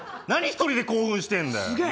何一人で興奮してんだよ。